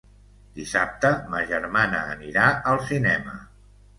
Dissabte ma germana anirà al cinema.